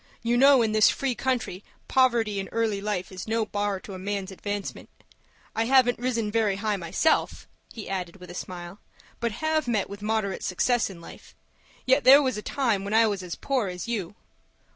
You know in this free country poverty in early life is no bar to a man's advancement. I haven't risen very high myself," he added, with a smile, "but have met with moderate success in life; yet there was a time when I was as poor as you."